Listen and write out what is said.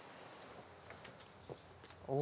お。